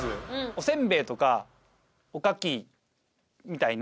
おせんべいとかおかきみたいな